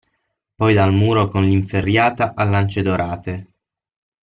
Poi dal muro con l'inferriata a lance dorate.